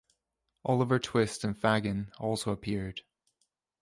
Oliver Twist and Fagin also appeared.